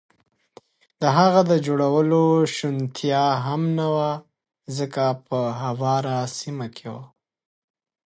د هغه د جوړولو شونتیا هم نه وه، ځکه په هواره سیمه کې و.